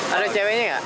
ada ceweknya nggak